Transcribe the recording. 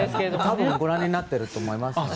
多分、ご覧になっていると思いますけど。